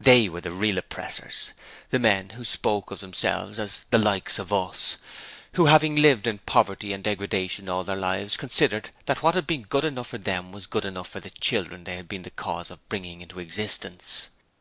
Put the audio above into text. THEY WERE THE REAL OPPRESSORS the men who spoke of themselves as 'The likes of us,' who, having lived in poverty and degradation all their lives considered that what had been good enough for them was good enough for the children they had been the cause of bringing into existence.